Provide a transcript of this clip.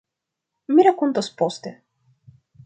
Mi rakontos poste...